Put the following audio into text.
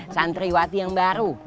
santriwati yang baru